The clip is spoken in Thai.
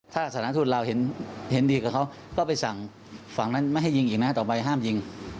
ถ้าสถานทูตลาวเห็นดีกับเขาก็ไปสั่งฝั่งนั้นไม่ให้ยิงอีกนะต่อไปห้ามยิง